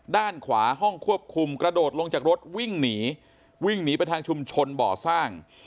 ด้านขวาห้องควบคุมกระโดดลงจากรถวิ่งหนีวิ่งหนีไปทางชุมชนบ่อสร้าง